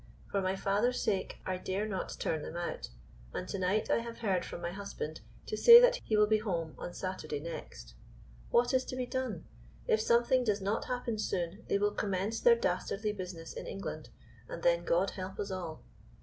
For my father's sake I dare not turn them out, and to night I have heard from my husband to say that he will be home on Saturday next. What is to be done? If something does not happen soon, they will commence their dastardly business in England, and then God help us all.